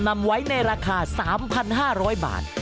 ในราคา๓๕๐๐บาท